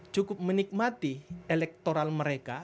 cukup menikmati elektoral mereka